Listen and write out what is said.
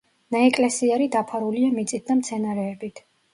ნაეკლესიარი დაფარულია მიწით და მცენარეებით.